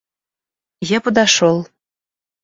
Я подошел.